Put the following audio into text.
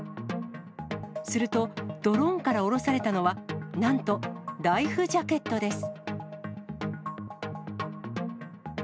すると、ドローンから下ろされたのは、なんとライフジャケットです。